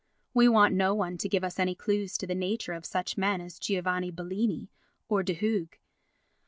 We want no one to give us any clues to the nature of such men as Giovanni Bellini, or De Hooghe.